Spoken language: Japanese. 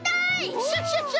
クシャシャシャ！